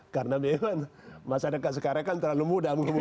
karena memang masa dekat sekarang kan terlalu mudah menghubungkan